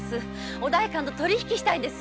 お代官と取り引きしたいんです。